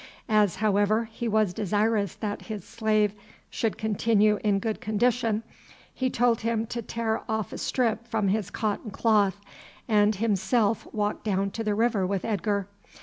As, however, he was desirous that his slave should continue in good condition, he told him to tear off a strip from his cotton cloth, and himself walked down to the river with Edgar.